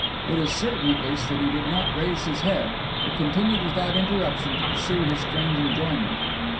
It is certain, at least, that he did not raise his head, but continued without interruption to pursue his strange employment.